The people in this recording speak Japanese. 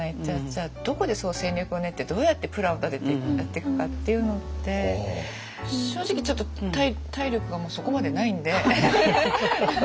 じゃあどこで戦略を練ってどうやってプランを立ててやっていくかっていうのって正直ちょっと体力がもうそこまでないんで。